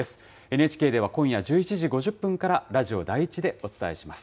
ＮＨＫでは今夜１１時５０分から、ラジオ第１でお伝えします。